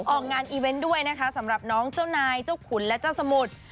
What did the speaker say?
ออกงานอีเวนต์ด้วยนะคะสำหรับน้องเจ้านายเจ้าขุนและเจ้าสมุทร